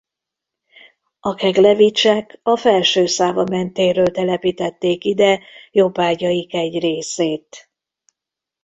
A Keglevichek a Felső-Szávamentéről telepítették ide jobbágyaik egy részét.